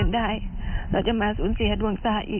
ได้ได้ได้